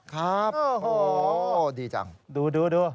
ครับโอ้โหดีจังดู